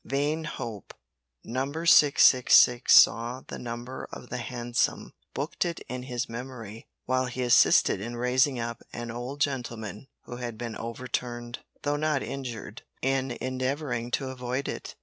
Vain hope! Number 666 saw the number of the hansom, booked it in his memory while he assisted in raising up an old gentleman who had been overturned, though not injured, in endeavouring to avoid it.